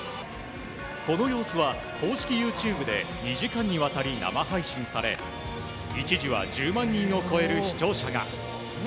この様子は公式ＹｏｕＴｕｂｅで２時間にわたり生配信され一時は１０万人を超える視聴者が。